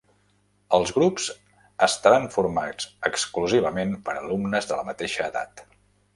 Els grups estaran formats exclusivament per alumnes de la mateixa edat.